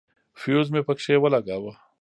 فيوز مې پکښې ولګاوه.